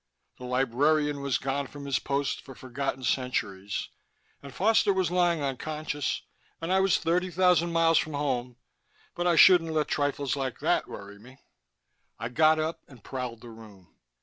The librarian was gone from his post for forgotten centuries, and Foster was lying unconscious, and I was thirty thousand miles from home but I shouldn't let trifles like that worry me.... I got up and prowled the room.